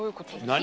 何？